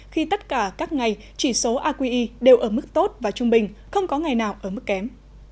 khi tất cả các ngày chỉ số aqi đều ở mức tốt và trung bình không có ngày nào ở mức kém